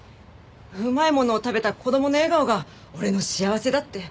うまいものを食べた子どもの笑顔が俺の幸せだって。